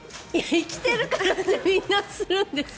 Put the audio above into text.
生きてるからってみんなするんですか？